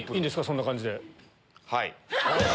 そんな感じで。